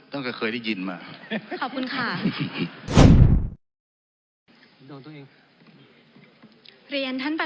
ถ้าเคยได้ยินมา